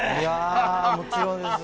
もちろんです。